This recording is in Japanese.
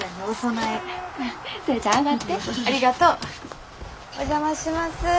お邪魔します。